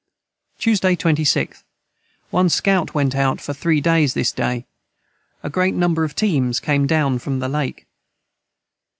Tuesday 26th. One scout went out for 3 days this day a great number of teams came down from the Lake.